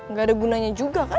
nggak ada gunanya juga kan